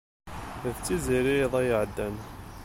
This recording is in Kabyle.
D tiziri iḍ-a iɛeddan.